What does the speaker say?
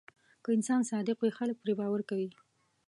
که انسان صادق وي، خلک پرې باور کوي.